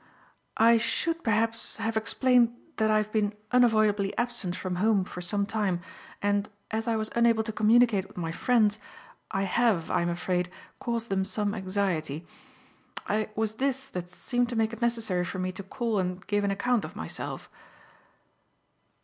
"I should, perhaps, have explained that I have been unavoidably absent from home for some time, and, as I was unable to communicate with my friends, I have, I am afraid, caused them some anxiety. It was this that seemed to make it necessary for me to call and give an account of myself."